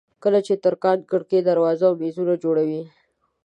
کله چې ترکاڼ کړکۍ دروازې او مېزونه جوړوي.